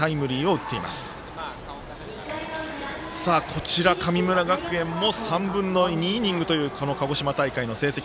こちら神村学園も３分の２イニングという鹿児島大会の成績。